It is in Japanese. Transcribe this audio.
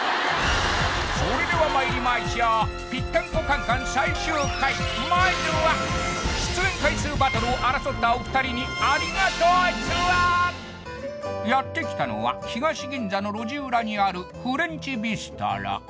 それではまいりましょう「ぴったんこカン・カン」最終回まずは出演回数バトルを争ったお二人にありがとうツアーやってきたのは東銀座の路地裏にあるフレンチビストロ